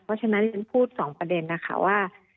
เพราะฉะนั้นฉันพูด๒ประเด็นนะคะว่า